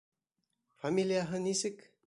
Фамилияһы нисек?